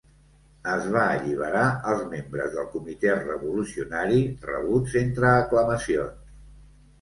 Es va alliberar als membres del Comitè revolucionari, rebuts entre aclamacions.